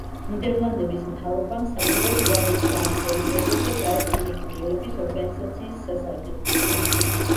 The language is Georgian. ნიდერლანდების მთავრობამ საბოლოოდ უარი თქვა ამ ტერიტორიაზე გაერთიანებული ერების ორგანიზაციის სასარგებლოდ.